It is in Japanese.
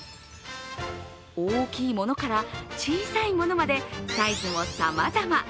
大きいものから小さいものまでサイズもさまざま。